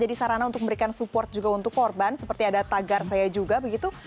jadi sarana untuk memberikan support juga untuk korban seperti ada tagar saya juga begitu